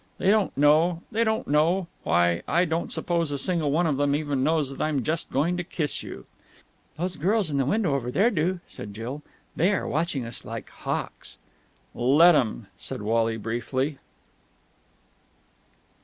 They don't know.... They don't know.... Why, I don't suppose a single one of them even knows that I'm just going to kiss you!" "Those girls in that window over there do," said Jill. "They are watching us like hawks." "Let 'em!" said Wally briefly.